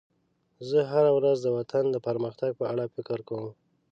زه هره ورځ د وطن د پرمختګ په اړه فکر کوم.